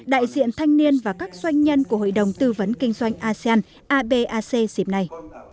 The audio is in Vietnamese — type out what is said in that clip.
đại diện thanh niên và các doanh nhân của hội đồng tư vấn kinh doanh asean abac dịp này